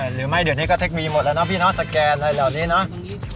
หรือไม่เดี๋ยวนี้ก็เทคโนโลยีหมดแล้วเนาะพี่น้องสแกนอะไรเหล่านี้เนาะ